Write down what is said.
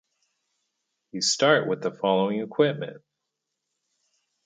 You start with the following equipment